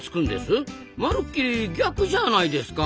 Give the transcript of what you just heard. まるっきり逆じゃないですか。